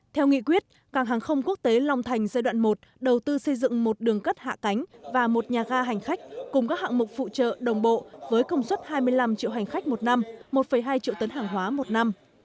theo nghị quyết cảng hàng không quốc tế long thành giai đoạn một đầu tư xây dựng một đường cất hạ cánh và một nhà ga hành khách cùng các hạng mục phụ trợ đồng bộ với công suất hai mươi năm triệu hành khách một năm một hai triệu tấn hàng hóa một năm